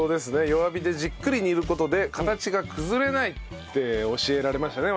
弱火でじっくり煮る事で形が崩れないって教えられましたね